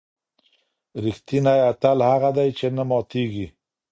ریښتینی اتل هغه دی چې نه ماتېږي.